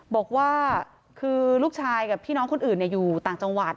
บอกว่าคือลูกชายกับพี่น้องคนอื่นอยู่ต่างจังหวัด